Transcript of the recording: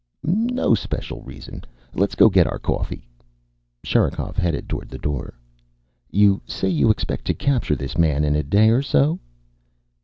"No special reason. Let's go get our coffee." Sherikov headed toward the door. "You say you expect to capture this man in a day or so?"